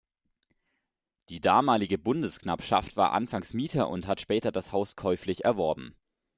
Die damalige Bundesknappschaft war anfangs Mieter und hat später das Haus käuflich erworben.